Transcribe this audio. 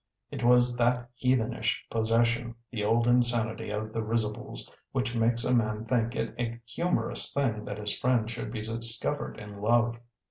It was that heathenish possession, the old insanity of the risibles, which makes a man think it a humourous thing that his friend should be discovered in love.